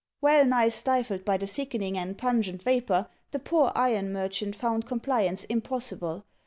Well nigh stifled by the thickening and pungent vapour, the poor iron merchant found compliance impossible.